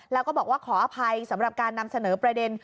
แล้วก็บอกว่าขออภัยสำหรับการนำเสนอประเด็น